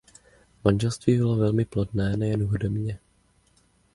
Manželství bylo velmi plodné nejen hudebně.